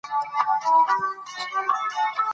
افغانستان کې د سرحدونه د پرمختګ هڅې روانې دي.